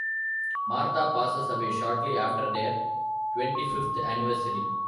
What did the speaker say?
Martha passes away shortly after their twenty-fifth anniversary.